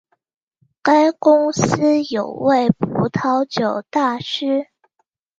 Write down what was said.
该公司有多位葡萄酒大师。